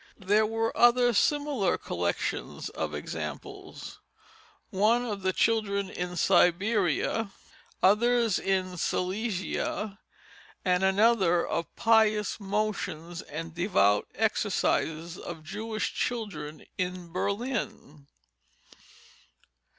There were other similar collections of examples, one of children in Siberia, others in Silesia, and another of Pious Motions and Devout Exercises of Jewish Children in Berlin.